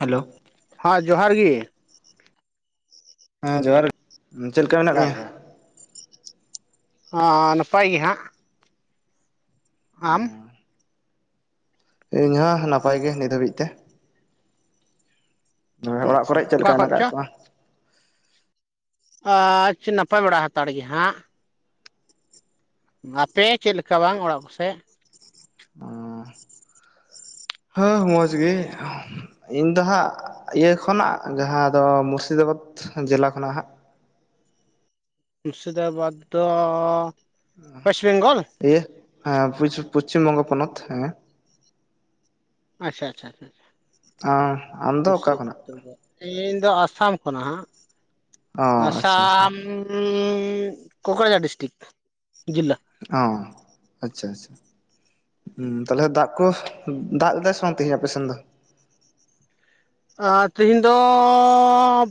Hello ᱦᱟᱸ ᱡᱚᱦᱟᱨ ᱜᱮ, ᱦᱮᱸ ᱡᱚᱦᱟᱨ ᱪᱮᱫ ᱞᱮᱠᱟ ᱢᱮᱱᱟᱜ ᱡᱚᱦᱟᱨ ᱢᱮᱭᱟ, ᱦᱚᱸ ᱱᱟᱯᱟᱭ ᱜᱮ ᱦᱟᱸᱜ ᱟᱢ ᱤᱧ ᱦᱚᱸ ᱱᱟᱯᱟᱭ ᱜᱮ ᱱᱤᱛ ᱦᱟᱹᱵᱤᱡ ᱛᱮ ᱦᱮᱸ ᱚᱲᱟᱜ ᱟᱪᱪᱷᱟ ᱠᱚᱨᱮ ᱪᱮᱫ ᱚᱠᱟ ᱞᱮᱠᱟ ᱠᱷᱚᱡ ᱦᱮᱱᱟᱜ ᱠᱟᱫ ᱪᱚ ᱠᱚᱣᱟ ᱟᱪᱪᱷ ᱱᱟᱯᱟᱭ ᱵᱟᱲᱟ ᱦᱟᱸᱛᱟᱲ ᱜᱮ ᱦᱟᱸᱜ ᱟᱯᱮ ᱪᱮᱫ ᱞᱮᱠᱟ ᱵᱟᱝ ᱚᱲᱟᱜ ᱠᱚᱥᱮᱫ ᱚᱸᱻ ᱦᱮᱸ ᱢᱚᱸᱡᱽ ᱜᱮ, ᱤᱧ ᱫᱚ ᱦᱟᱸᱜ ᱤᱭᱟᱹ ᱠᱷᱚᱱᱟᱜ ᱡᱟᱸᱦᱟ ᱫᱚ ᱢᱩᱨᱥᱤᱫᱟᱵᱟᱫᱽ ᱡᱮᱞᱟ ᱠᱷᱚᱱᱟᱜ ᱦᱟᱸᱜ ᱢᱩᱨᱥᱤᱫᱟᱵᱟᱫᱽ ᱫᱚ ᱣᱮᱥᱴ ᱵᱮᱝᱜᱚᱞ ᱤᱭᱟᱹ ᱮᱸ ᱯᱚᱪᱷ ᱯᱚᱪᱷᱤᱢ ᱵᱚᱝᱜᱚ ᱯᱚᱱᱚᱛ ᱦᱮᱸ ᱟᱪᱪᱷᱟ ᱟᱪᱷᱟ ᱟᱪᱷᱟ ᱟᱢ ᱫᱚ ᱚᱠᱟ ᱠᱷᱚᱱᱟᱜ? ᱢᱩᱨᱥᱤᱫᱟᱵᱟᱫᱽ ᱤᱧ ᱫᱚ ᱟᱥᱟᱢ ᱠᱷᱚᱱᱟᱜ ᱦᱟᱸᱜ ᱚ ᱟᱪᱪᱷᱟ ᱟᱪᱪᱷᱟ ᱟᱥᱟᱢ ᱚᱸᱻ ᱠᱳᱠᱨᱟᱡᱷᱟᱨ ᱰᱤᱥᱴᱤᱠ ᱡᱤᱞᱟ ᱦᱚᱸ ᱟᱪᱪᱷᱟ ᱟᱪᱪᱷᱟ ᱦᱮᱸ ᱛᱟᱦᱚᱞᱮ ᱫᱟᱜ ᱠᱚ ᱫᱟᱜ ᱞᱮᱫᱟᱭ ᱥᱮ ᱵᱟᱝ ᱛᱤᱦᱤᱧ ᱟᱯᱮᱥᱮᱱ ᱫᱚ ᱟᱸ ᱛᱤᱦᱤᱧ ᱫᱚ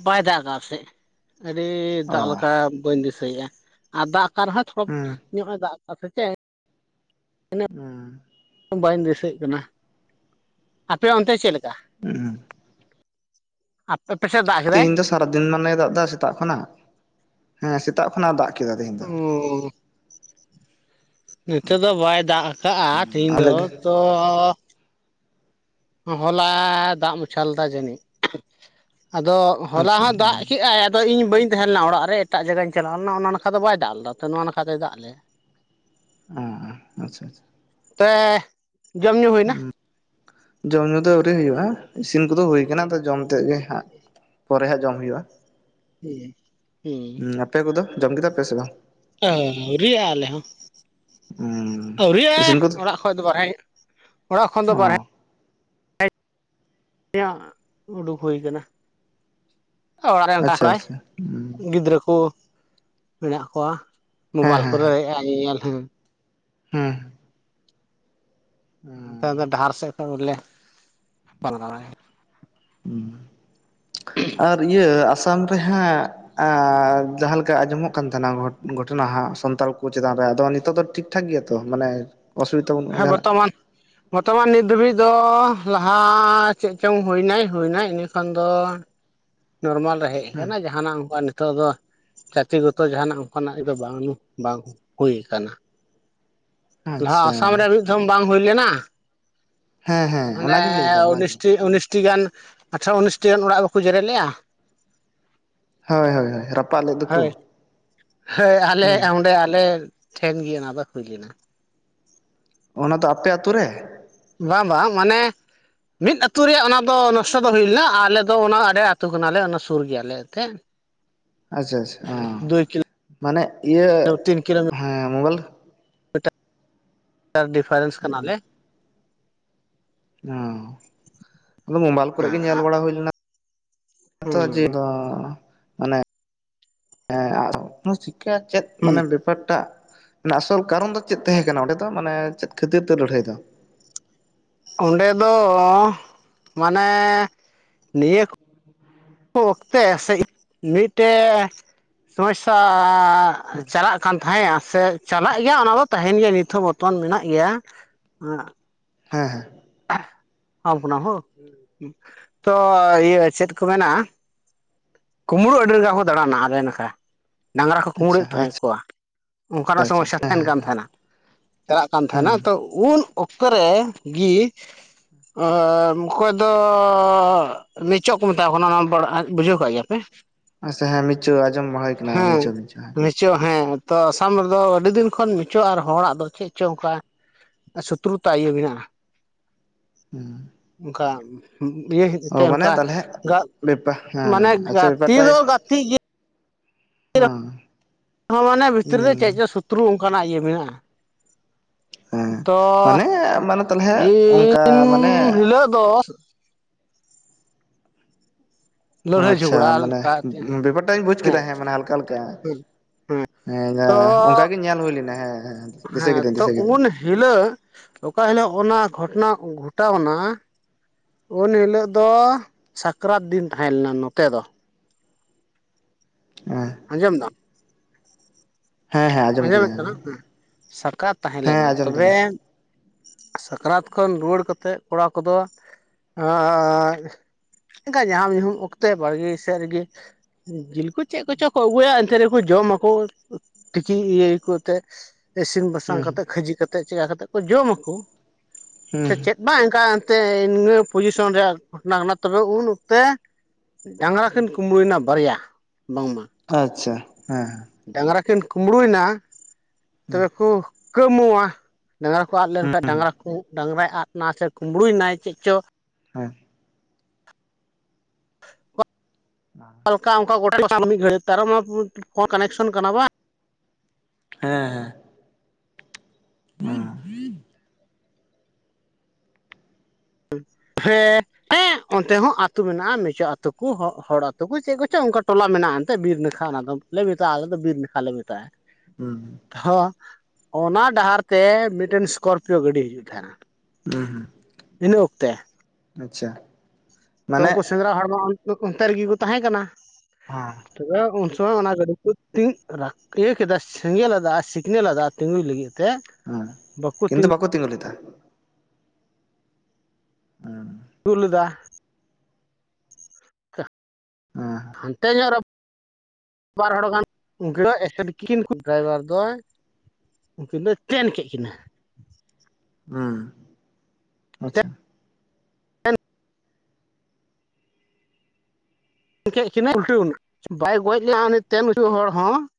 ᱵᱟᱭ ᱫᱟᱜ ᱟᱠᱟᱫᱟ ᱟᱞᱮ ᱥᱮᱫ ᱟᱹᱰᱤ ᱚ ᱫᱟᱜ ᱞᱮᱠᱟ ᱵᱟᱹᱧ ᱫᱤᱥᱟᱹᱭᱮᱫ-ᱟ ᱟᱨ ᱫᱟᱜ ᱟᱠᱟ ᱨᱮᱦᱚᱸ ᱛᱷᱚᱲᱟ ᱦᱩᱸ ᱧᱚᱜ ᱮ ᱫᱟᱜ ᱟᱠᱟᱫ ᱥᱮᱪᱮᱫ ᱦᱮᱸ ᱵᱟᱹᱧ ᱫᱤᱥᱟᱹᱭᱮᱫ ᱠᱟᱱᱟ, ᱟᱯᱮ ᱚᱱᱛᱮ ᱪᱮᱫ ᱞᱮᱠᱟ ᱦᱩᱸ ᱟᱯᱮ ᱯᱮᱥᱮᱫ ᱫᱟᱜ ᱠᱮᱫᱟᱭ ᱛᱟᱨᱟ ᱫᱤᱱ ᱢᱟᱱᱮ ᱫᱟᱜ ᱮᱫᱟ ᱥᱮᱛᱟᱜ ᱠᱷᱚᱱᱟᱜ ᱦᱮᱸ ᱥᱮᱛᱟᱜ ᱠᱷᱚᱱᱟᱜ ᱮ ᱫᱟᱜ ᱠᱮᱫᱟ ᱛᱮᱦᱮᱧ ᱫᱚ ᱚᱸᱻ ᱱᱤᱛᱚᱜ ᱫᱚ ᱵᱟᱭ ᱫᱟᱜ ᱟᱠᱟᱫ-ᱟ, ᱛᱤᱦᱤᱧ ᱟᱞᱮ ᱫᱚ ᱜᱮ ᱛᱚ ᱦᱚᱞᱟ ᱫᱟᱜ ᱢᱟᱪᱷᱟ ᱞᱮᱫᱟ ᱡᱟᱹᱱᱤᱡ ᱟᱫᱚ ᱦᱚᱞᱟ ᱟᱪᱪᱷᱟ ᱦᱚᱸ ᱫᱟᱜ ᱦᱮᱸ ᱠᱮᱜ ᱟᱭ ᱟᱫᱚ ᱤᱧ ᱵᱟᱹᱧ ᱛᱟᱸᱦᱮ ᱞᱮᱱᱟ ᱚᱲᱟᱜ ᱨᱮ ᱮᱴᱟᱜ ᱡᱟᱭᱜᱟᱧ ᱪᱟᱞᱟᱣ ᱞᱮᱱᱟ ᱚᱱᱟ ᱱᱟᱠᱷᱟ ᱫᱚ ᱵᱟᱭ ᱫᱟᱜ ᱞᱮᱫᱟ ᱛᱚ ᱱᱚᱣᱟ ᱱᱟᱠᱷᱟᱛᱮᱭ ᱫᱟᱜ ᱞᱮᱜ ᱟᱸ ᱟᱪᱪᱷᱟ ᱟᱪᱪᱷᱟ ᱛᱮ ᱡᱚᱢ ᱧᱩ ᱦᱩᱭᱱᱟ? ᱦᱩᱸ ᱡᱚᱢ ᱧᱩ ᱫᱚ ᱟᱹᱣᱨᱤ ᱦᱩᱭᱩᱜ-ᱟ᱾ ᱤᱥᱤᱱ ᱠᱚᱫᱚ ᱦᱩᱭ ᱠᱟᱱᱟ ᱟᱫᱚ ᱡᱚᱢ ᱛᱮᱫ ᱜᱮ ᱦᱟᱸᱜ ᱯᱚᱨᱮ ᱦᱟᱸᱜ ᱡᱚᱢ ᱦᱩᱭᱩᱜ-ᱟ᱾ ᱦᱮᱸ ᱦᱮᱸ, ᱟᱯᱮ ᱠᱚᱫᱚ ᱡᱚᱢ ᱠᱮᱫᱟ ᱯᱮ ᱥᱮ ᱵᱟᱝ ᱟᱹᱣᱨᱤᱭᱟᱜ-ᱟ ᱟᱞᱮ ᱦᱚᱸ ᱤᱥᱤᱱ ᱠᱚᱫᱚ ᱟᱹᱣᱨᱤᱭᱟᱜ-ᱟ ᱚᱲᱟᱜ ᱠᱷᱚᱡ ᱫᱚ ᱵᱟᱨᱦᱮ ᱚᱲᱟᱜ ᱠᱷᱚᱱ ᱫᱚ ᱵᱟᱨᱦᱮ ᱚ ᱮᱭᱟ ᱩᱰᱩᱠ ᱦᱩᱭ ᱟᱠᱟᱱᱟ᱾ ᱚᱲᱟᱜ ᱨᱮ ᱚᱝᱠᱟ ᱟᱪᱪᱷᱟ ᱦᱚᱨᱚᱭ ᱟᱪᱪᱷᱟ ᱦᱮᱸ ᱜᱤᱫᱽᱨᱟᱹ ᱠᱚ ᱢᱮᱱᱟᱜ ᱠᱚᱣᱟ ᱦᱮᱸ ᱢᱳᱵᱟᱭᱤᱞ ᱠᱚᱫᱚ ᱦᱟᱜ ᱧᱮᱞ ᱟ. ᱧ ᱦᱩᱸ ᱩᱸ ᱟᱫᱚ ᱰᱟᱦᱟᱨ ᱥᱮᱫ ᱠᱷᱚᱱ ᱵᱚᱞᱮ ᱯᱟᱞᱟᱣᱟ ᱟᱨ ᱤᱭᱟᱹ ᱟᱥᱟᱢ ᱨᱮ ᱦᱟᱸᱜ ᱟ ᱡᱟᱦᱟᱸ ᱞᱮᱠᱟ ᱟᱸᱡᱚᱢᱚᱜ ᱠᱟᱱ ᱛᱟᱦᱮᱱᱟ ᱜᱷᱚᱴᱚᱱᱟ ᱦᱚᱸ ᱥᱟᱱᱛᱟᱲ ᱠᱚ ᱪᱮᱛᱟᱱ ᱨᱮ ᱟᱫᱚ ᱱᱤᱛᱚᱜ ᱫᱚ ᱴᱷᱤᱠ ᱴᱷᱟᱠ ᱜᱮᱭᱟ ᱛᱚ ᱢᱟᱱᱮ ᱚᱥᱩᱵᱤᱫᱟ ᱵᱟᱹᱱᱩᱜᱼᱟ ᱦᱮᱸ ᱡᱟᱦᱟᱱᱟᱜ ᱵᱟᱛᱟᱣᱟᱭ ᱵᱚᱨᱛᱚᱢᱟᱱ ᱱᱤᱛ ᱫᱷᱟᱹᱵᱤᱡ ᱫᱚ ᱞᱟᱦᱟ ᱪᱮᱫ ᱪᱚᱝ ᱦᱩᱭᱱᱟᱭ ᱦᱩᱭᱱᱟᱭ ᱤᱱᱟᱹ ᱠᱷᱟᱱ ᱫᱚ ᱱᱚᱨᱢᱟᱞ ᱨᱮ ᱦᱮᱡ ᱦᱮᱸ ᱠᱟᱱᱟ ᱡᱟᱦᱟᱱᱟᱜ ᱚᱱᱠᱟ ᱱᱤᱛᱚᱜ ᱫᱚ ᱡᱟᱛᱤ ᱜᱚᱛᱚ ᱡᱟᱦᱟᱱᱟᱜ ᱚᱱᱠᱟᱱᱟᱜ ᱫᱚ ᱵᱟᱝ ᱵᱟᱝ ᱦᱩᱭ ᱠᱟᱱᱟ ᱞᱟᱦᱟ ᱟᱥᱟᱢ ᱟᱪᱪᱷᱟ ᱨᱮ ᱢᱤᱫ ᱫᱷᱚᱢ ᱵᱟᱝ ᱦᱩᱭ ᱞᱮᱱᱟ ᱦᱮᱸ ᱦᱮᱸ ᱚᱸᱰᱮ ᱚᱱᱟᱜᱤᱧ ᱞᱟᱹᱭᱫᱟ ᱚᱱᱟᱜᱮ ᱩᱱᱤᱥᱴᱤ ᱩᱱᱤᱥᱴᱤ ᱜᱟᱱ ᱟᱴᱷᱚᱨᱚ ᱩᱱᱤᱥᱴᱤ ᱜᱟᱱ ᱚᱲᱟᱜ ᱵᱟᱠᱚ ᱡᱮᱨᱮᱫ ᱞᱮᱜ-ᱟ ᱦᱳᱭ ᱦᱳᱭ ᱦᱳᱭ ᱨᱟᱯᱟᱜ ᱞᱮᱫ ᱫᱚᱠᱚ ᱦᱚᱭ ᱟᱞᱮ ᱦᱩᱸ ᱚᱸᱰᱮ ᱟᱞᱮ ᱴᱷᱮᱱ ᱜᱮ ᱚᱱᱟ ᱫᱚ ᱦᱩᱭ ᱞᱮᱱᱟ ᱚᱱᱟ ᱫᱚ ᱟᱯᱮ ᱟᱛᱩ ᱨᱮ ᱵᱟ ᱵᱟ ᱢᱟᱱᱮ ᱢᱤᱫ ᱟᱹᱛᱩ ᱨᱮᱭᱟᱜ ᱚᱱᱟ ᱫᱚ ᱱᱚᱥᱴᱚ ᱫᱚ ᱦᱩᱭ ᱞᱮᱱᱟ ᱟᱞᱮ ᱫᱚ ᱚᱱᱟ ᱟᱲᱮ ᱟᱹᱛᱩ ᱠᱟᱱᱟᱞᱮ ᱚᱱᱟ ᱥᱩᱨ ᱜᱮᱭᱟᱞᱮ ᱮᱱᱛᱮ ᱟᱪᱪᱷᱟ ᱟᱪᱪᱷᱟ ᱚᱸ ᱠᱤᱞᱳ ᱢᱟᱱᱮ ᱤᱭᱟᱹ ᱦᱮᱸ ᱢᱚᱵᱟᱭᱤᱞ ᱮᱴᱟᱜ ᱰᱤᱯᱷᱟᱨᱮᱱᱥ ᱠᱟᱱᱟᱞᱮ ᱩ ᱟᱫᱚ ᱢᱳᱵᱟᱭᱤᱞ ᱠᱚᱨᱮ ᱜᱮ ᱦᱮᱸ ᱧᱮᱞ ᱵᱟᱲᱟ ᱦᱩᱭ ᱞᱮᱱᱟ ᱟᱫᱚ ᱡᱮ ᱦᱩᱸ ᱫᱚ ᱢᱟᱱᱮ [inaudible] ᱥᱤᱠᱷᱟ ᱪᱮᱫ ᱦᱩᱸ ᱢᱟᱱᱮ ᱵᱮᱯᱟᱨᱴᱟᱜ ᱟᱥᱚᱞ ᱠᱟᱨᱚᱱ ᱫᱚ ᱪᱮᱫ ᱛᱟᱦᱮᱸ ᱠᱟᱱᱟ ᱚᱸᱰᱮ ᱫᱚ ᱢᱟᱱᱮ ᱪᱮᱫ ᱠᱷᱟᱹᱛᱤᱨ ᱛᱮ ᱞᱟᱹᱲᱦᱟᱹᱭ ᱫᱚ ᱚᱸᱰᱮ ᱫᱚ ᱢᱟᱱᱮ ᱱᱤᱭᱟᱹ ᱚᱠᱛᱮ ᱥᱮ ᱢᱤᱫᱴᱮᱡ ᱥᱚᱢᱚᱥᱥᱟ ᱦᱮᱸ ᱪᱟᱞᱟᱜ ᱠᱟᱱ ᱛᱟᱦᱮᱸᱫ-ᱟ ᱥᱮ ᱪᱟᱞᱟᱜ ᱜᱮᱭᱟ ᱚᱱᱟ ᱫᱚ ᱛᱟᱦᱮᱱ ᱜᱮᱭᱟ ᱱᱤᱛ ᱦᱚᱸ ᱵᱚᱨᱛᱚᱨ ᱢᱮᱱᱟᱜ ᱜᱮᱭᱟ ᱦᱮᱸ ᱚᱱᱟ ᱦᱳ ᱛᱚ ᱤᱭᱟᱹ ᱪᱮᱫ ᱠᱚ ᱢᱮᱱᱟ ᱠᱩᱢᱲᱩ ᱟᱹᱰᱤ ᱨᱟᱸᱠᱟ ᱠᱚᱸ ᱫᱟᱬᱟᱱᱟ ᱟᱞᱮ ᱱᱟᱠᱷᱟ ᱰᱟᱝᱨᱟ ᱠᱚ ᱟᱪᱪᱷᱟ ᱠᱩᱢᱲᱩᱭᱮᱫ ᱛᱟᱦᱮᱸ ᱟᱪᱪᱷᱟ ᱠᱚᱣᱟ ᱚᱱᱠᱟᱱᱟᱜ ᱟᱪᱪᱷᱟ ᱥᱚᱢᱚᱥᱥᱟ ᱦᱮᱸ ᱛᱟᱦᱮᱱ ᱦᱮᱸ ᱠᱟᱱ ᱛᱟᱦᱮᱱᱟ ᱪᱟᱞᱟᱜ ᱠᱟᱱ ᱦᱩᱸ ᱛᱟᱦᱮᱱᱟ ᱛᱚ ᱩᱱ ᱚᱠᱛᱚ ᱨᱮ ᱜᱤ [unintelligible] ᱟᱨ ᱚᱠᱚᱭ ᱫᱚ ᱱᱤᱪᱚᱜ ᱠᱚ ᱢᱮᱛᱟ ᱟᱠᱚ ᱠᱟᱱᱟ ᱟᱱ ᱯᱟᱲ ᱵᱩᱡᱷᱟᱹᱣ ᱠᱟᱜ ᱜᱮᱭᱟᱯᱮ ᱟᱪᱪᱷᱟ ᱦᱮᱸ ᱢᱤᱪᱚ ᱟᱸᱡᱚᱢ ᱢᱟ ᱦᱩᱭ ᱠᱟᱱᱟ ᱢᱤᱪᱚ᱾ ᱢᱤᱪᱚ ᱦᱮᱸ ᱛᱚ ᱟᱥᱟᱢ ᱨᱮᱫᱚ ᱟᱹᱰᱤ ᱫᱤᱱ ᱠᱷᱚᱱ ᱢᱤᱪᱚ ᱟᱨ ᱦᱚᱲᱟᱜ ᱫᱚ ᱪᱮᱫ ᱪᱚ ᱚᱱᱠᱟ ᱥᱩᱛᱨᱩ ᱛᱟ ᱤᱭᱟᱹ ᱢᱮᱱᱟᱜ-ᱟ ᱚᱱᱠᱟ ᱤᱭᱟᱹ ᱠᱷᱟ. ᱛᱤ ᱚ ᱛᱮ ᱢᱟᱱᱮ ᱚᱱᱠᱟ ᱛᱟᱦᱚᱞᱮ ᱜᱟ ᱵᱮᱯᱟ ᱢᱟᱱᱮ ᱦᱮᱸ ᱟᱪᱪᱷᱟ ᱜᱟᱛᱮ ᱫᱚ ᱜᱟᱛᱮ ᱜᱮ ᱚᱸ ᱦᱚᱸ ᱢᱟᱱᱮ ᱵᱷᱤᱛᱤᱨ ᱨᱮ ᱪᱮᱫ ᱪᱚ ᱥᱚᱛᱨᱩ ᱚᱱᱠᱟᱱᱟᱜ ᱤᱭᱟᱹ ᱢᱮᱱᱟᱜ-ᱟ ᱦᱮᱸ ᱛᱚ ᱢᱟᱱᱮ ᱢᱟᱱᱮ ᱛᱟᱦᱚᱞᱮ ᱚᱱᱠᱟ ᱤᱱ ᱢᱟᱱᱮ ᱦᱤᱞᱟᱹᱜ ᱫᱚ ᱚᱸ ᱞᱟᱹᱲᱦᱟᱹᱭ ᱟᱪᱪᱷᱟ ᱡᱷᱚᱜᱽᱲᱟ ᱢᱟᱱᱮ ᱞᱮᱠᱟ ᱵᱮᱯᱟᱨ ᱴᱟᱜ ᱤᱧ ᱵᱩᱡ ᱠᱮᱫᱟ ᱦᱮᱸ ᱢᱟᱱᱮ ᱦᱟᱞᱠᱟ ᱦᱟᱞᱠᱟ ᱦᱮᱸ ᱛᱚ ᱚᱱᱠᱟ ᱜᱮ ᱧᱮᱞ ᱦᱩᱭ ᱞᱮᱱᱟ ᱦᱮᱸ ᱦᱮᱸ ᱫᱤᱥᱟᱹ ᱦᱮᱸ ᱠᱤᱫᱟᱹᱧ ᱛᱚ ᱫᱤᱥᱟᱹ ᱠᱤᱫᱟᱹᱧ ᱩᱱ ᱦᱤᱞᱳᱜ ᱚᱠᱟ ᱦᱤᱞᱳᱜ ᱚᱱᱟ ᱜᱷᱚᱴᱚᱱᱟ ᱜᱷᱚᱴᱟᱣᱱᱟ, ᱩᱱ ᱦᱤᱞᱳᱜ ᱫᱚ ᱥᱟᱠᱨᱟᱛ ᱫᱤᱱ ᱛᱟᱦᱮᱸ ᱞᱮᱱᱟ ᱱᱚᱛᱮ ᱫᱚ, ᱦᱮᱸ ᱟᱸᱡᱚᱢ ᱫᱟᱢ, ᱦᱮᱸ ᱦᱮᱸ ᱟᱸᱡᱚᱢ ᱟᱸᱡᱚᱢᱮᱫ ᱠᱤᱫᱟᱹᱧ ᱟᱸᱡᱚᱢ ᱠᱟᱱᱟ ᱦᱮᱸ ᱥᱟᱠᱨᱟᱛ ᱛᱟᱦᱮᱸ ᱦᱮᱸ ᱞᱮᱱᱟ ᱟᱸᱡᱚᱢ ᱫᱟᱹᱧ ᱛᱚᱵᱮ, ᱥᱟᱠᱨᱟᱛ ᱠᱷᱚᱱ ᱨᱩᱣᱟᱹᱲ ᱠᱟᱛᱮᱜ ᱠᱚᱲᱟ ᱠᱚᱫᱚ ᱟᱻ ᱚᱱᱠᱟ ᱧᱟᱦᱟᱢ ᱧᱩᱦᱩᱢ ᱚᱠᱛᱮ ᱵᱟᱲᱜᱮ ᱥᱮᱫ ᱨᱮᱜᱮ ᱾ ᱡᱤᱞᱠᱩ ᱪᱮᱫ ᱠᱚᱪᱚ ᱠᱚ ᱟᱹᱜᱩᱭᱟ ᱮᱚᱱᱛ ᱨᱮᱠᱚ ᱡᱚᱢᱟᱠᱚ ᱾ ᱛᱤᱠᱤ ᱤᱭᱟᱹ ᱠᱟᱛᱮᱫ ᱤᱥᱤᱱ ᱵᱟᱥᱟᱝ ᱦᱩᱸ ᱠᱟᱛᱮᱫ ᱠᱷᱟᱹᱡᱤ ᱠᱟᱛᱮᱫ ᱪᱮᱠᱟ ᱠᱟᱛᱮᱜ ᱠᱚ ᱡᱚᱢ ᱟᱠᱚ ᱾ ᱦᱩᱸ ᱥᱮ ᱪᱮᱫ ᱵᱟᱝ ᱚᱱᱠᱟᱱ᱾ ᱛᱮ ᱤᱱᱟᱹ ᱯᱚᱡᱤᱥᱚᱱ ᱨᱮᱭᱟᱜ ᱜᱷᱚᱴᱚᱱᱟ ᱠᱟᱱᱟ ᱛᱚᱵᱮ ᱩᱱ ᱚᱠᱛᱮ ᱰᱟᱝᱜᱨᱟ ᱠᱤᱱ ᱠᱩᱸᱢᱵᱽᱲᱩᱭᱱᱟ ᱵᱟᱨᱭᱟ ᱵᱟᱝᱢᱟ ᱾ ᱟᱪᱪᱷᱟ ᱦᱮᱸ ᱦᱮᱸ ᱾ ᱰᱟᱝᱜᱨᱟ ᱠᱤᱱ ᱠᱩᱸᱢᱵᱽᱲᱩ ᱭᱮᱱᱟ ᱛᱚᱵᱮ ᱠᱚ ᱠᱟᱹᱢᱩᱣᱟ ᱾ ᱰᱟᱝᱜᱨᱟ ᱠᱚ ᱟᱫ ᱦᱩᱸ ᱞᱮᱱᱠᱷᱟᱱ ᱦᱩᱸ ᱰᱟᱝᱜᱨᱟ ᱠᱚ ᱰᱟᱝᱜᱨᱟᱭ ᱟᱫ ᱮᱱᱟ ᱥᱮ ᱠᱩᱸᱢᱵᱽᱲᱩᱭᱱᱟᱭ ᱪᱮᱫ ᱪᱚ ᱾ ᱦᱮᱸ ᱾ [inaudible] ᱚᱠᱟ ᱚᱱᱠᱟ ᱜᱚᱴᱟ ᱢᱤᱫ ᱜᱷᱟᱹᱲᱤᱡ ᱚᱱᱟ ᱯᱷᱚᱱ ᱠᱟᱱᱮᱠᱥᱚᱱ ᱠᱟᱱᱟ ᱵᱟᱝ ᱾ ᱦᱮᱸ ᱦᱮᱸ ᱾ [inaudible] [inaudible] ᱦᱮᱸ ᱚᱱᱛᱮ ᱦᱚᱸ ᱟᱹᱛᱩ ᱢᱮᱱᱟᱜ-ᱟ ᱢᱮᱤᱪᱩ ᱟᱹᱛᱩ ᱠᱚ ᱦᱚᱲ ᱟᱹᱛᱩ ᱠᱚ ᱪᱮᱫ ᱠᱚᱪᱚᱝ ᱚᱱᱠᱟ ᱴᱚᱞᱟ ᱢᱮᱱᱟᱜ-ᱟ ᱮᱱᱛᱮ ᱵᱤᱨ ᱱᱟᱠᱷᱟ ᱚᱱᱟ ᱫᱚ, ᱞᱮ ᱢᱮᱛᱟᱜ-ᱟ ᱟᱞᱮ ᱫᱚ ᱵᱤᱨ ᱱᱟᱠᱷᱟ ᱞᱮ ᱢᱮᱛᱟᱜ-ᱟ ᱾ ᱦᱩᱸ ᱦᱚᱸ ᱚᱱᱟ ᱰᱟᱦᱟᱨ ᱛᱮ ᱢᱤᱫᱴᱮᱱ ᱤᱥᱠᱚᱨᱯᱤᱭᱚ ᱜᱟᱹᱰᱤ ᱦᱤᱡᱩᱜ ᱛᱟᱦᱮᱱᱟ ᱾ ᱦᱩᱸ ᱦᱩᱸ ᱾ ᱤᱱᱟᱹ ᱚᱠᱛᱮ ᱾ ᱟᱪᱪᱷᱟ ᱾ ᱛᱚ ᱩᱱᱠᱩ ᱥᱮᱸᱫᱽᱨᱟ ᱦᱚᱲ ᱢᱟ ᱚᱱᱛᱮ ᱨᱮᱜᱮ ᱠᱚ ᱛᱟᱦᱮᱸ ᱠᱟᱱᱟ ᱾ ᱦᱟᱸ ᱾ ᱛᱮ ᱩᱱ ᱥᱚᱢᱚᱭ ᱚᱱᱟ ᱜᱟᱹᱰᱤ ᱠᱚ ᱛᱤᱧ ᱨᱟ ᱠᱤᱭᱟᱹ ᱠᱮᱫᱟ ᱥᱮᱸᱜᱮᱞ ᱟᱫᱟ ᱥᱤᱠᱱᱮᱞ ᱟᱫᱟ ᱛᱤᱸᱜᱩᱭ ᱞᱟᱹᱜᱤᱫ ᱛᱮ ᱾ ᱩᱸ ᱠᱤᱱᱛᱩ ᱵᱟᱠᱚ ᱛᱤᱸᱜᱩ ᱞᱮᱫᱟ ᱾ ᱦᱩᱸ ᱾ ᱛᱩᱜ ᱞᱮᱫᱟ ᱾ ᱦᱮᱸ ᱦᱟᱱᱛᱮ ᱧᱚᱜ ᱨᱮ ᱵᱟᱨ ᱦᱚᱲ ᱜᱟᱱ [unintelligible] ᱩᱱᱠᱤᱱ ᱫᱚ ᱮᱥᱴᱮᱴ ᱠᱤᱱ ᱰᱨᱟᱭᱵᱟᱨ ᱫᱚᱭ ᱩᱱᱠᱤᱱ ᱫᱚᱭ ᱛᱮᱱ ᱠᱮᱫ ᱠᱤᱱᱟᱹ ᱾ ᱦᱩᱸ ᱟᱪᱪᱷᱟ ᱾ ᱠᱮᱫ ᱠᱤᱱᱟᱹ ᱩᱞᱴᱟᱣ ᱮᱱᱟ ᱵᱟᱭ ᱜᱚᱡ ᱞᱮᱱᱟ ᱩᱱᱤ ᱛᱮᱱ ᱩᱪᱩ ᱦᱚᱲ ᱦᱚᱸ ᱾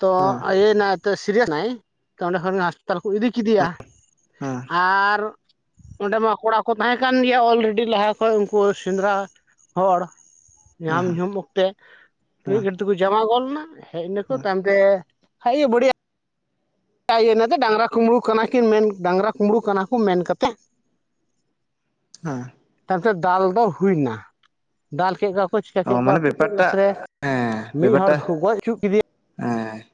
ᱛᱚ ᱦᱮᱸ ᱤᱭᱟᱹ ᱮᱱᱟᱭ ᱛᱮ ᱥᱤᱨᱤᱭᱟᱥ ᱮᱱᱟᱭ ᱛᱚ ᱚᱸᱰᱮ ᱠᱷᱚᱱ ᱦᱟᱥ ᱛᱟᱦᱮᱞᱮ ᱠᱚ ᱤᱫᱤ ᱠᱮᱫᱮᱭᱟ ᱦᱮᱸ ᱦᱮᱸ ᱟᱨ, ᱚᱸᱰᱮ ᱢᱟ ᱠᱚᱲᱟ ᱠᱚ ᱛᱟᱦᱮᱸ ᱠᱟᱱ ᱜᱮᱭᱟ ᱚᱞᱨᱮᱰᱤ ᱞᱟᱦᱟ ᱠᱷᱚᱱ ᱩᱱᱠᱩ ᱥᱮᱸᱫᱽᱨᱟ ᱦᱚᱲ, ᱧᱟᱦᱟᱢ ᱦᱮᱸ ᱧᱩᱦᱩᱢ ᱚᱠᱛᱮ ᱢᱤᱫ ᱜᱷᱟᱲᱤ ᱦᱮᱸ ᱛᱮᱠᱚ ᱡᱚᱢᱟ ᱜᱚᱫ ᱞᱮᱱᱟ ᱦᱮᱡ ᱮᱱᱟᱠᱚ ᱛᱟᱭᱚᱢ, ᱛᱮ ᱦᱟᱜ-ᱮ ᱵᱩᱰᱤᱭᱟᱹ ᱤᱱᱟ ᱛᱮ ᱰᱟᱝᱜᱨᱟ ᱠᱩᱸᱢᱵᱽᱲᱩ ᱠᱟᱱᱟ ᱠᱤᱱ ᱢᱮᱱ ᱰᱟᱝᱜᱨᱟ ᱠᱩᱸᱢᱵᱽᱲᱩ ᱠᱟᱱᱟ ᱠᱚ ᱢᱮᱱ ᱠᱟᱛᱮᱫ ᱦᱮᱸ ᱾ ᱛᱟᱭᱚᱢ ᱛᱮ ᱫᱟᱞ ᱫᱚ ᱦᱩᱭᱱᱟ ᱾ ᱫᱟᱞ ᱠᱮᱫ ᱠᱚᱣᱟ ᱠᱚ ᱪᱤᱠᱟᱹ ᱚ ᱠᱮᱫ ᱠᱚᱣᱟ ᱢᱟᱱᱮ ᱠᱚ ᱞᱟᱥ ᱵᱮᱯᱟᱨᱴᱟᱜ ᱨᱮ ᱦᱮᱸ ᱢᱤᱫ ᱦᱚᱲ ᱵᱮᱯᱟᱨᱴᱟ ᱫᱚ ᱠᱚ ᱜᱚᱡ ᱦᱚᱪᱚ ᱠᱮᱫᱮ ᱭᱟ ᱾ ᱦᱮᱸ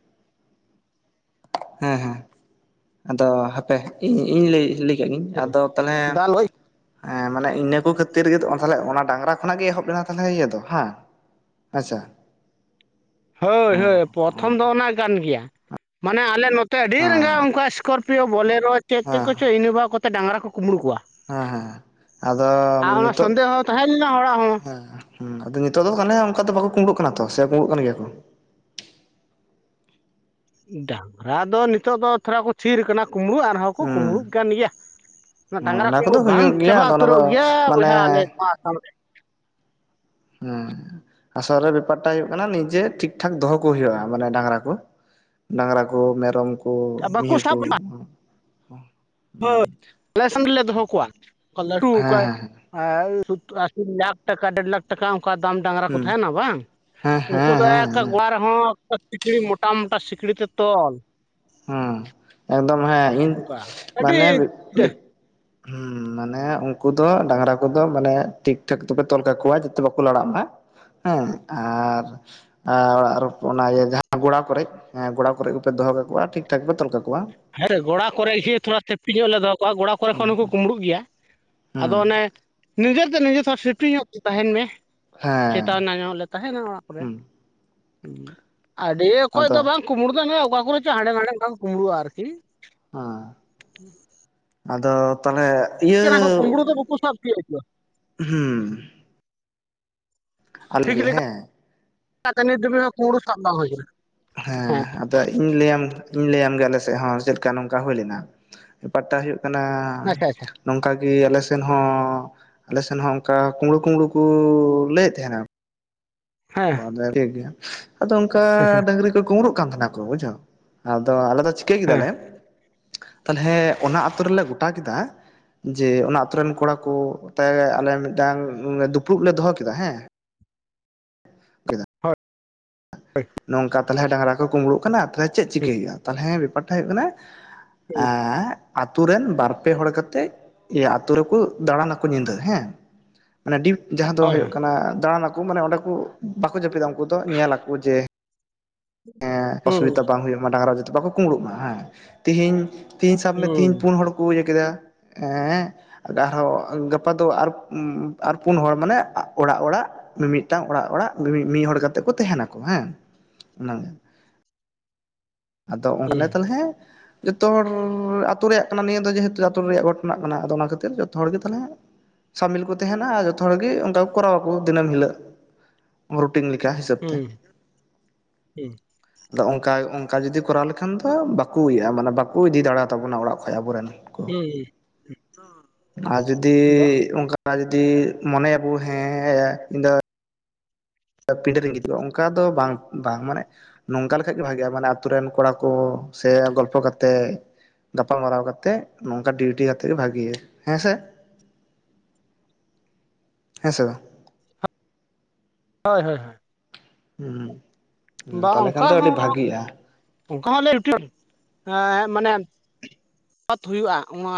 ᱦᱮᱸ ᱦᱮᱸ ᱟᱫᱚ ᱦᱟᱯᱮ ᱤᱧ ᱤᱧ ᱞᱟᱹᱭ ᱞᱟᱹᱭ ᱤᱧ ᱟᱫᱚ ᱛᱟᱦᱚᱞᱮᱻᱻᱻ ᱫᱟᱞ ᱜᱚᱡ ᱦᱮᱸ ᱢᱟᱱᱮ ᱤᱱᱟᱹ ᱠᱚ ᱠᱷᱟᱹᱛᱤᱨ ᱜᱮ ᱛᱚ ᱛᱟᱦᱮ ᱞᱮ ᱚᱱᱟ ᱰᱟᱝᱜᱨᱟ ᱠᱷᱚᱱᱟᱜ ᱜᱮ ᱮᱦᱚᱵ ᱮᱱᱟ ᱛᱟᱦᱞᱮ ᱤᱭᱟᱹ ᱫᱚ ᱦᱟᱸ ᱾ ᱟᱪᱪᱷᱟ ᱾ ᱦᱳᱭ ᱦᱳᱭ ᱯᱨᱚᱛᱷᱚᱢ ᱦᱮᱸ ᱫᱚ ᱚᱱᱟ ᱠᱟᱱ ᱜᱮᱭᱟ ᱢᱟᱱᱮ ᱟᱞᱮ ᱱᱚᱛᱮ ᱟᱹᱰᱤ ᱨᱟᱸᱜᱟᱣ ᱚᱱᱠᱟ ᱮᱥᱠᱚᱨ ᱯᱤᱭᱚ ᱵᱚᱞᱮᱨᱚ ᱪᱮᱫ ᱛᱮᱫ ᱦᱮᱸ ᱠᱚ ᱪᱚ ᱤᱱᱟᱹ ᱵᱷᱟ ᱠᱟᱛᱮ ᱰᱟᱝᱜᱨᱟ ᱠᱚ ᱠᱩᱢᱵᱽᱲᱩ ᱠᱚᱣᱟ᱾ ᱦᱮᱸ ᱦᱮᱸ ᱟᱫᱚ ᱟᱨ ᱚᱱᱟ ᱱᱤᱛᱳᱜ ᱥᱚᱱᱫᱮᱦᱚ ᱛᱟᱦᱮᱸ ᱞᱮᱱᱟ ᱦᱚᱲᱟᱜ ᱦᱚᱸ ᱦᱮᱸ ᱦᱩᱸ ᱟᱫᱚ ᱱᱤᱛᱚᱜ ᱫᱚ ᱦᱮ ᱚᱱᱠᱟ ᱫᱚ ᱵᱟᱠᱚ ᱠᱩᱸᱵᱽᱲᱩᱜ ᱠᱟᱱᱟ ᱛᱚ ᱥᱮ ᱠᱩᱸᱵᱲᱩᱜ ᱠᱟᱱ ᱜᱮᱭᱟ ᱠᱚ᱾ ᱰᱟᱝᱜᱨᱟ ᱫᱚ ᱱᱤᱛᱚᱜ ᱫᱚ ᱛᱷᱚᱲᱟ ᱠᱚ ᱪᱷᱤᱨ ᱟᱠᱟᱱᱟ ᱠᱩᱢᱵᱽᱲᱩ ᱟᱨ ᱦᱚᱸ ᱠᱚ ᱠᱩᱳᱢᱵᱽᱲᱩᱜ ᱦᱩᱸ ᱠᱟᱱ ᱜᱮᱭᱟ᱾ ᱚᱱᱟ ᱰᱟᱝᱨᱟ ᱠᱩᱢᱵᱲᱩ ᱠᱚᱫᱚ ᱵᱟᱝ ᱦᱩᱭᱩᱜ ᱜᱮᱭᱟ ᱪᱟᱵᱟ ᱟᱫᱚ ᱚᱱᱟ ᱫᱚ ᱩᱛᱟᱹᱨᱚᱜ ᱜᱮᱭᱟ᱾ ᱢᱟᱱᱮ ᱵᱚᱭᱦᱟ ᱟᱞᱮ ᱱᱚᱣᱟ ᱟᱥᱟᱢ ᱨᱮ᱾ ᱦᱮᱸ ᱟᱥᱚᱞ ᱨᱮ ᱵᱮᱯᱟᱨ ᱴᱟᱜ ᱦᱩᱭᱩᱜ ᱠᱟᱱᱟ᱾ ᱱᱤᱡᱮ ᱴᱷᱤᱠ ᱴᱷᱟᱠ ᱫᱚ ᱦᱚᱸ ᱠᱚ ᱦᱩᱭᱩᱜᱼᱟ᱾ ᱢᱟᱱᱮ ᱰᱟᱝᱜᱨᱟ ᱠᱚ᱾ ᱰᱟᱝᱜᱨᱟ ᱠᱚ ᱢᱮᱨᱚᱢ ᱠᱚ ᱵᱟᱠᱚ ᱢᱤᱦᱩᱹ ᱠᱚ᱾ ᱥᱟᱵ ᱞᱮᱱᱟ ᱦᱩᱸ ᱦᱳᱭ ᱟᱞᱮ ᱥᱟᱱ ᱨᱮ ᱞᱮ ᱫᱚ ᱦᱚ ᱠᱚᱣᱟ ᱞᱟᱹᱴᱷᱩ ᱦᱮᱸ ᱚᱠᱚᱭ ᱦᱮᱸ ᱟᱨ ᱟᱥᱤ ᱞᱟᱠᱷ ᱴᱟᱠᱟ ᱰᱮᱨ ᱞᱟᱠᱷ ᱴᱟᱠᱟ ᱚᱱᱠᱟ ᱫᱟᱢ ᱰᱟᱝᱨᱟ ᱠᱚ ᱦᱩᱸ ᱛᱟᱦᱮᱱᱟ ᱵᱟᱝ ᱦᱮᱸ ᱩᱱᱠᱩ ᱦᱮᱸ ᱫᱚ ᱦᱮᱸ ᱮᱠ ᱦᱮᱸ ᱜᱚᱲᱟ ᱦᱚᱸ ᱥᱤᱠᱲᱤ ᱢᱚᱴᱟ ᱢᱚᱴᱟ ᱥᱤᱠᱲᱤ ᱛᱮ ᱛᱚᱞ ᱦᱮᱸ ᱮᱠᱫᱚᱢ ᱦᱮᱸ ᱤᱧ ᱚᱱᱠᱟ ᱟᱹᱰᱤ ᱢᱟᱱᱮ ᱢᱟᱱᱮ ᱩᱱᱠᱩ ᱫᱚ ᱰᱟᱝᱨᱟ ᱠᱚ ᱫᱚ ᱢᱟᱱᱮ ᱴᱷᱤᱠ ᱴᱷᱟᱠ ᱛᱮ ᱯᱮ ᱛᱚᱞ ᱠᱟᱠᱚᱣᱟ ᱡᱟᱛᱮ ᱵᱟᱠᱚ ᱞᱟᱲᱟᱜ ᱢᱟ᱾ ᱦᱮᱸ ᱟᱨᱻᱻ ᱟᱨ ᱚᱱᱟ ᱤᱭᱟᱹ ᱡᱟᱦᱟᱸ ᱜᱚᱲᱟ ᱠᱚᱨᱮᱜ ᱮ ᱜᱚᱲᱟ ᱠᱚᱨᱮᱜ ᱜᱮ ᱯᱮ ᱫᱚᱦᱚ ᱠᱟᱠᱚᱣᱟ ᱴᱷᱤᱠᱼᱴᱷᱟᱠ ᱯᱮ ᱛᱚᱞ ᱠᱟᱠᱚᱣᱟ᱾ ᱦᱮᱸ ᱜᱚᱲᱟ ᱠᱚᱨᱮᱜ ᱜᱮ ᱛᱷᱚᱲᱟ ᱥᱮᱯᱴᱤ ᱧᱚᱜ ᱞᱮ ᱫᱚ ᱦᱚ ᱠᱚᱣᱟ ᱜᱚᱲᱟ ᱠᱚᱨᱮ ᱦᱩᱸ ᱠᱷᱚᱱ ᱦᱚᱸᱠᱚ ᱠᱩᱢᱵᱲᱩᱜ ᱜᱮᱭᱟ᱾ ᱦᱩᱸ ᱟᱫᱚ ᱚᱱᱮ ᱱᱤᱡᱮ ᱛᱮ ᱱᱤᱡᱮ ᱥᱟᱸᱣ ᱥᱮᱯᱴᱤ ᱧᱚᱜ ᱛᱟᱦᱮᱱ ᱢᱮ᱾ ᱦᱮᱸ ᱪᱮᱛᱟᱱ [unintelligible] ᱛᱟᱦᱮᱱᱟ ᱚᱲᱟᱜ ᱠᱚ ᱨᱮ ᱦᱩᱸ ᱦᱮ ᱟᱹᱰᱤ ᱚᱠᱚᱭ ᱟᱫᱚ ᱫᱚ ᱵᱟᱝ ᱠᱩᱢᱸᱵᱲᱩ ᱫᱚ ᱱᱟᱜ ᱚᱠᱟ ᱠᱚ ᱨᱮ ᱪᱚ ᱦᱟᱸᱰᱮ ᱱᱟᱰᱮ ᱠᱩᱢᱵᱲᱩᱼᱭᱟ ᱟᱨᱠᱤ ᱦᱮᱸ ᱟᱫᱚ ᱛᱟᱦᱚᱞᱮ ᱤᱭᱟᱹ ᱚᱱᱟ ᱠᱚ ᱠᱩᱢᱵᱽᱲᱩ ᱫᱚ ᱵᱟᱠᱚ ᱥᱟᱵ ᱛᱤᱭᱳᱜ ᱠᱚᱣᱟ ᱦᱩᱸ ᱟᱢ ᱜᱮ ᱦᱮᱸ ᱪᱤᱠᱟᱛᱮ ᱱᱤᱛ ᱫᱷᱟᱹᱵᱤᱡ ᱦᱚᱸ ᱠᱩᱢᱵᱲᱩ ᱥᱟᱵ ᱵᱟᱝ ᱦᱩᱭ ᱠᱟᱱᱟ᱾ ᱦᱮᱸ ᱟᱫᱚ ᱤᱧ ᱞᱟᱹᱭ ᱟᱢ ᱤᱧ ᱞᱟᱹᱭ ᱟᱢ ᱜᱮ ᱟᱞᱮ ᱥᱮᱫ ᱦᱚᱸ ᱪᱮᱫᱠᱟ ᱱᱚᱝᱠᱟ ᱦᱩᱭ ᱞᱮᱱᱟ᱾ ᱵᱮᱯᱟᱨᱴᱟᱜ ᱦᱩᱭᱩᱜ ᱠᱟᱱᱟ᱾ ᱟᱪᱪᱷᱟ ᱟᱪᱪᱷᱟ [unintelligible] ᱱᱚᱝᱠᱟᱜᱮ ᱟᱞᱮ ᱥᱮᱫ ᱦᱚᱸ ᱟᱞᱮ ᱥᱮᱫ ᱦᱚᱸ ᱚᱱᱠᱟ ᱠᱩᱢᱵᱲᱩ ᱠᱩᱢᱵᱲᱩ ᱠᱚ ᱞᱟᱹᱭ ᱮᱫ ᱛᱟᱦᱮᱱᱟ᱾ ᱦᱮᱸ ᱴᱷᱤᱠ ᱜᱮᱭᱟ ᱟᱫᱚ ᱚᱱᱠᱟ ᱟᱪᱪᱷᱟ ᱰᱟᱝᱨᱤ ᱠᱚ ᱠᱩᱢᱵᱲᱩ ᱠᱟᱱ ᱛᱟᱦᱮᱱᱟᱠᱚ ᱵᱩᱡᱷᱟᱣ ᱟᱫᱚ ᱟᱞᱮ ᱫᱚ ᱪᱤᱠᱟᱹ ᱠᱮᱫᱟᱞᱮ ᱛᱟᱦᱚᱞᱮ ᱚᱱᱟ ᱟᱹᱛᱩ ᱨᱮᱞᱮ ᱜᱚᱴᱟ ᱠᱮᱫᱟ ᱡᱮ ᱚᱱᱟ ᱟᱛᱳᱨᱮᱱ ᱠᱚᱲᱟ ᱠᱚ ᱛᱮ ᱟᱞᱮ ᱢᱤᱫᱴᱟᱝ ᱫᱩᱯᱲᱩᱯ ᱞᱮ ᱫᱚᱦᱚ ᱠᱮᱫᱟ ᱦᱮᱸ ᱦᱳᱭ ᱦᱳᱭ ᱱᱚᱝᱠᱟ ᱛᱟᱞᱦᱮ ᱰᱟᱝᱨᱟ ᱠᱚ ᱠᱩᱢᱵᱲᱩᱜ ᱠᱟᱱᱟ ᱛᱟᱞᱦᱮ ᱪᱮᱫ ᱪᱤᱠᱟᱹᱭ ᱦᱩᱭᱩᱜᱼᱟ ᱛᱟᱞᱦᱮ ᱵᱮᱯᱟᱨᱴᱟᱜ ᱦᱩᱭᱩᱜ ᱠᱟᱱᱟ ᱟᱸ ᱟᱛᱩ ᱨᱮᱱ ᱵᱟᱨ ᱯᱮ ᱦᱚᱲ ᱠᱟᱛᱮᱜ ᱤᱭᱟᱹ ᱟᱛᱩ ᱨᱮᱠᱚ ᱫᱟᱬᱟᱱᱟᱠᱚ ᱧᱤᱫᱟᱹ, ᱦᱮᱸ᱾ ᱢᱟᱱᱮ ᱰᱤᱯ, ᱡᱟᱦᱟᱸ ᱫᱚ ᱦᱳᱭ ᱦᱳᱭᱳᱜ ᱦᱳᱭ ᱠᱟᱱᱟ ᱫᱟᱲᱟᱱᱟ ᱠᱚ ᱢᱟᱱᱮ ᱚᱸᱰᱮ ᱠᱚ ᱵᱟᱠᱚ ᱡᱟᱹᱯᱤᱫᱟ ᱩᱱᱠᱩ ᱫᱚ ᱧᱮᱞᱟᱠᱚ ᱡᱮ ᱮᱸ ᱦᱩᱸ ᱚᱥᱩᱵᱤᱫᱟ ᱵᱟᱝ ᱦᱩᱭᱩᱜ ᱢᱟ ᱰᱟᱝᱨᱟ ᱡᱟᱛᱮ ᱵᱟᱝᱠᱚ ᱠᱩᱢᱵᱲᱩᱜ ᱢᱟ ᱦᱮᱸ᱾ ᱛᱤᱦᱤᱧ ᱛᱦᱤᱧ ᱥᱟᱵ ᱢᱮ ᱦᱩᱸ ᱛᱦᱤᱧ ᱯᱩᱱ ᱦᱚᱲ ᱠᱚ ᱤᱭᱟᱹ ᱠᱮᱫᱟ᱾ ᱮᱸᱻ ᱟᱨᱦᱚᱸ ᱜᱟᱯᱟ ᱫᱚ ᱟᱨ ᱟᱨ ᱯᱩᱱ ᱦᱚᱲ ᱢᱟᱱᱮ ᱚᱲᱟᱜ ᱚᱲᱟᱜ᱾ ᱢᱤᱢᱤᱫᱴᱟᱝ ᱚᱲᱟᱜ ᱚᱲᱟᱜ ᱢᱤᱢᱤ ᱢᱤᱫ ᱦᱚᱲ ᱠᱟᱛᱮᱜ ᱠᱚ ᱛᱟᱦᱮᱱᱟᱠᱚ ᱦᱮᱸ᱾ ᱚᱱᱟᱜᱮ᱾ ᱟᱫᱚ ᱚᱱᱠᱟ ᱦᱩᱸ [unintelligible] ᱛᱟᱞᱦᱮ ᱦᱮᱸ᱾ ᱡᱚᱛᱚ ᱦᱚᱲᱻ ᱟᱹᱛᱩ ᱨᱮᱭᱟᱜ ᱠᱟᱱᱟ ᱱᱤᱭᱟᱹ ᱫᱚ᱾ ᱡᱮᱦᱮᱛᱩ ᱟᱹᱛᱩ ᱨᱮᱭᱟᱜ ᱜᱷᱚᱴᱚᱱᱟ ᱠᱟᱱᱟ, ᱟᱫᱚ ᱚᱱᱟ ᱠᱷᱟᱹᱛᱤᱨ ᱡᱚᱛᱚ ᱦᱚᱲ ᱜᱮ ᱛᱟᱞᱦᱮ ᱥᱟᱢᱤᱞ ᱠᱚ ᱛᱟᱦᱮᱱᱟ ᱟᱨ ᱡᱚᱛᱚ ᱦᱚᱲ ᱜᱮ ᱚᱱᱠᱟ ᱠᱚ ᱠᱚᱨᱟᱣᱟᱠᱚ ᱫᱤᱱᱟᱹᱢ ᱦᱤᱞᱳᱜ ᱨᱩᱴᱤᱱ ᱞᱮᱠᱟ ᱦᱤᱥᱟᱹᱵ ᱛᱮ᱾ ᱦᱩᱸ᱾ ᱟᱫᱚ ᱚᱱᱠᱟ ᱚᱱᱠᱟ ᱡᱩᱫᱤ ᱠᱚᱨᱟᱣ ᱞᱮᱠᱷᱟᱱ ᱫᱚ ᱵᱟᱠᱚ ᱤᱭᱟᱹᱜᱼᱟ, ᱢᱟᱱᱮ ᱵᱟᱠᱚ ᱤᱫᱤ ᱫᱟᱲᱮ ᱛᱟᱵᱚᱱᱟ ᱚᱲᱟᱜ ᱠᱷᱚᱡ ᱟᱵᱚᱨᱮᱱ᱾ ᱦᱩᱸ ᱟᱨ ᱡᱩᱫᱤ ᱦᱩᱸ ᱵᱟ ᱚᱱᱠᱟ ᱟᱨ ᱡᱩᱫᱤ ᱢᱚᱱᱮᱭᱟᱵᱚ ᱦᱮᱸᱻ ᱤᱧ ᱫᱚ ᱯᱤᱰᱟᱹ ᱨᱤᱧ ᱜᱤᱛᱤᱡᱼᱟ ᱚᱱᱠᱟ ᱫᱚ ᱵᱟᱝ ᱵᱟᱝ ᱢᱟᱱᱮ ᱱᱚᱝᱠᱟ ᱞᱮᱠᱷᱟᱡ ᱜᱮ ᱵᱷᱟᱜᱮᱼᱟ, ᱢᱟᱱᱮ ᱟᱛᱳ ᱨᱮᱱ ᱠᱚᱲᱟ ᱠᱚ ᱥᱮ ᱜᱚᱞᱯᱷᱚ ᱠᱟᱛᱮᱜ᱾ ᱜᱟᱯᱟᱞᱢᱟᱨᱟᱣ ᱠᱟᱛᱮᱜ ᱱᱚᱝᱠᱟ ᱰᱤᱭᱩᱴᱤ ᱭᱟᱛᱮ ᱵᱷᱟᱹᱜᱤᱭᱟ, ᱦᱮᱸ ᱥᱮ᱾ ᱦᱮᱸ ᱥᱮ ᱵᱟᱝ᱾ ᱦᱳᱭ ᱦᱳᱭ ᱦᱳᱭ᱾ ᱦᱩᱸ᱾ ᱛᱟᱦᱞᱮ ᱠᱷᱟᱱ ᱫᱚ ᱟᱹᱰᱤ ᱵᱷᱟᱹᱜᱤᱜᱼᱟ᱾ [unintelligible] ᱮ ᱢᱟᱱᱮ ᱯᱟᱹᱛ ᱦᱩᱭᱩᱜᱼᱟ᱾ ᱚᱱᱟ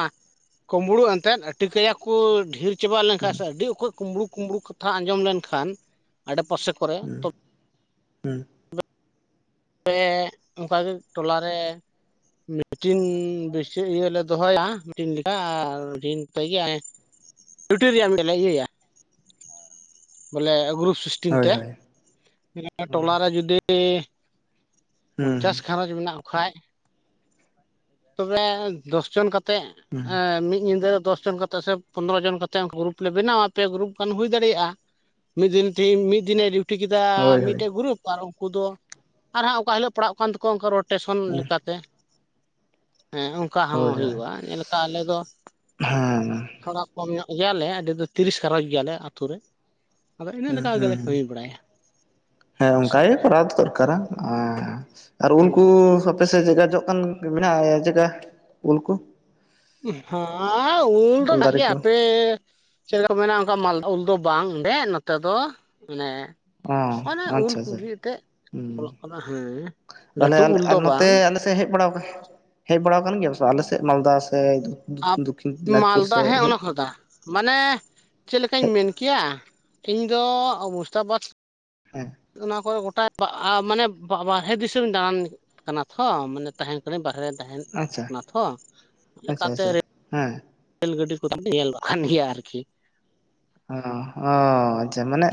ᱠᱩᱢᱵᱲᱩ ᱮᱱᱛᱮᱫ ᱴᱤᱠᱟᱹᱭᱟ ᱠᱚ ᱰᱷᱤ ᱪᱮᱵᱟ ᱮᱱᱟᱹᱠᱷᱟᱡ ᱦᱩᱸ ᱥᱮ ᱟᱹᱰᱤ ᱚᱠᱚᱡ ᱠᱩᱸᱵᱽᱲᱩ ᱠᱩᱸᱢᱲᱩ ᱠᱟᱛᱷᱟ ᱟᱸᱡᱚᱢ ᱞᱮᱱᱠᱷᱟᱱ ᱟᱰᱮᱯᱟᱥᱮ ᱠᱚᱨᱮ᱾ ᱦᱩᱸ ᱛᱚ ᱦᱩᱸ᱾ ᱯᱮ ᱚᱱᱠᱟᱜᱮ ᱴᱚᱞᱟ ᱨᱮ᱾ ᱢᱤᱴᱤᱱ ᱵᱮᱥᱤ ᱤᱭᱟᱹᱞᱮ ᱫᱚᱦᱚᱭ [unintelligible] ᱴᱩᱴᱩ ᱨᱮᱭᱟᱜ [unintelligible] ᱞᱮ ᱤᱭᱟᱹᱭᱟ᱾ ᱵᱚᱞᱮ ᱜᱨᱩᱯ ᱥᱤᱥᱴᱤᱝ ᱦᱳᱭ ᱛᱮ ᱦᱳᱭ ᱦᱩᱸ ᱴᱚᱞᱟ ᱨᱮ ᱡᱩᱫᱤ ᱦᱩᱸ ᱯᱚᱧᱪᱟᱥ ᱜᱷᱟᱨᱚᱸᱡᱽ ᱢᱮᱱᱟᱜ ᱠᱚ ᱠᱷᱟᱡ ᱛᱚᱵᱮ ᱫᱚᱥ ᱡᱚᱱ ᱠᱟᱛᱮᱫ᱾ ᱦᱩᱸ ᱢᱤᱫ ᱧᱤᱫᱟᱹ ᱫᱚᱥ ᱡᱚᱱ ᱠᱟᱛᱮᱫ ᱥᱮ ᱯᱚᱱᱨᱚ ᱡᱚᱱ ᱠᱟᱛᱮ ᱜᱨᱩᱯ ᱞᱮ ᱵᱮᱱᱟᱣᱟ᱾ ᱯᱮ ᱜᱨᱩᱯ ᱜᱟᱱ ᱦᱩᱭ ᱫᱟᱲᱮᱭᱟᱜᱼᱟ᱾ ᱢᱤᱫ ᱫᱤᱱ ᱛᱤ ᱢᱤᱫ ᱫᱤᱱ ᱪᱷᱩᱴᱤ ᱠᱮᱫᱟ ᱦᱳᱭ ᱦᱳᱭ ᱢᱤᱫᱴᱟᱹᱜ ᱜᱨᱩᱯ ᱟᱨ ᱩᱱᱠᱩ ᱫᱚ ᱟᱨ ᱦᱟᱸᱜ ᱚᱠᱟ ᱦᱤᱞᱚᱜ ᱯᱟᱲᱦᱟᱜ ᱠᱟᱱ ᱛᱟᱠᱚᱣᱟ ᱨᱚᱴᱮᱥᱚᱱ ᱞᱮᱠᱟ ᱛᱮ᱾ ᱦᱮᱸ, ᱚᱱᱠᱟ ᱦᱚᱸ ᱦᱳᱭ ᱦᱳᱭ ᱦᱩᱭᱩᱜᱼᱟ᱾ ᱡᱮᱞᱮᱠᱟ ᱟᱞᱮ ᱫᱚ ᱦᱮᱸ ᱛᱷᱚᱲᱟ ᱠᱚᱢ ᱧᱚᱜ ᱜᱮᱭᱟᱞᱮ ᱟᱞᱮ ᱫᱚ ᱛᱤᱨᱤᱥ ᱜᱷᱟᱨᱚᱸᱡᱽ ᱜᱮᱭᱟᱞᱮ ᱟᱹᱛᱩ ᱨᱮ᱾ ᱟᱫᱚ ᱤᱱᱟᱹ ᱦᱩᱸ ᱞᱮᱠᱟ ᱜᱮᱞᱮ ᱦᱩᱸ᱾ ᱠᱟᱹᱢᱤ ᱵᱟᱲᱟᱭᱟ ᱦᱮᱸ ᱚᱱᱠᱟᱜᱮ ᱥᱚᱢᱚᱭ ᱠᱚᱨᱟ ᱫᱚ ᱫᱚᱨᱠᱟᱨᱟ᱾ ᱩᱸ᱾ ᱟᱨ ᱩᱱᱠᱩ ᱥᱚᱵ ᱟᱯᱮ ᱥᱮᱫ ᱡᱮᱜᱟ ᱡᱚᱜ ᱠᱟᱱ ᱢᱮᱱᱟᱜᱼᱟ ᱡᱮᱜᱟ ᱩᱞᱠᱩ? ᱦᱟᱸ, ᱩᱞ ᱫᱚ ᱱᱟᱜ ᱫᱟᱨᱮ ᱜᱮᱭᱟ ᱠᱚ ᱦᱟᱯᱮ᱾ ᱪᱮᱫ ᱠᱚ ᱢᱮᱱᱟ, ᱚᱱᱠᱟ ᱢᱟᱞᱫᱷᱚ ᱩᱞ ᱫᱚ ᱵᱟᱝ ᱜᱮ ᱱᱚᱛᱮ ᱫᱚ᱾ ᱢᱟᱱᱮ ᱚ ᱚᱱᱟ ᱩᱞ ᱟᱪᱪᱷᱟ ᱠᱚ ᱟᱪᱪᱷᱟ ᱜᱮ ᱮᱱᱛᱮᱫ᱾ ᱦᱩᱸ ᱚᱞᱚᱜ ᱠᱟᱱᱟ ᱦᱮᱸ᱾ ᱞᱟᱹᱴᱩ ᱩᱞ ᱫᱚ ᱵᱟᱝ᱾ ᱥᱮ ᱦᱮᱡ ᱵᱟᱲᱟᱣ ᱜᱮᱭᱟᱢ? ᱦᱮᱡ ᱵᱟᱲᱟᱣ ᱟᱠᱟᱱ ᱜᱮᱭᱟᱢ ᱥᱮ ᱟᱞᱮ ᱥᱮᱫ ᱢᱟᱞᱫᱟ ᱥᱮ ᱟᱯ ᱫᱚᱠᱠᱷᱤᱱ ᱫᱤᱱᱟᱡᱽᱯᱩᱨ ᱢᱟᱞᱫᱟ ᱥᱮ ᱦᱮᱸ ᱦᱮᱡ ᱚᱱᱟ ᱠᱷᱚᱫᱟ ᱢᱟᱱᱮ ᱪᱮᱫ ᱞᱮᱠᱟᱧ ᱦᱮᱡ ᱢᱮᱱ ᱠᱮᱭᱟ ᱤᱧ ᱫᱚ ᱚᱵᱚᱥᱛᱟᱵᱟᱥ ᱦᱮᱸ᱾ ᱚᱱᱟ ᱠᱚ ᱜᱚᱴᱟ ᱵᱟᱜ ᱟ ᱢᱟᱱᱮ ᱵᱟᱜ ᱵᱟᱨᱦᱮ ᱫᱤᱥᱚᱢ ᱫᱟᱬᱟᱱ ᱠᱟᱱᱟ ᱛᱚ᱾ ᱢᱟᱱᱮ ᱛᱟᱦᱮᱱ ᱵᱟᱦᱨᱮ ᱨᱮ ᱛᱟᱦᱮᱱ ᱟᱪᱪᱷᱟ ᱠᱟᱱᱟ ᱛᱷᱚ ᱟᱪᱪᱷᱟ ᱠᱟᱛᱮ ᱟᱪᱪᱷᱟ ᱨᱮ ᱦᱮᱸ ᱨᱮᱞ ᱜᱟᱹᱰᱤ ᱠᱚ [unintelligible] ᱠᱟᱱᱜᱮᱭᱟ ᱟᱨᱠᱤ ᱚ ᱚ ᱟᱪᱪᱷᱟ ᱢᱟᱱᱮ